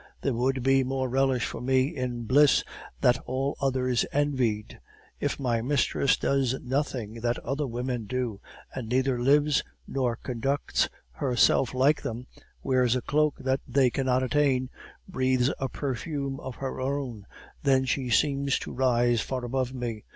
There would be more relish for me in bliss that all others envied. If my mistress does nothing that other women do, and neither lives nor conducts herself like them, wears a cloak that they cannot attain, breathes a perfume of her own, then she seems to rise far above me.